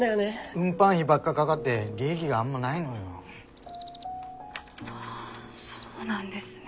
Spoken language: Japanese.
運搬費ばっかかがって利益があんまないのよ。はあそうなんですね。